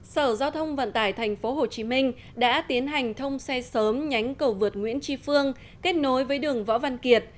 sở giao thông vận tải tp hcm đã tiến hành thông xe sớm nhánh cầu vượt nguyễn tri phương kết nối với đường võ văn kiệt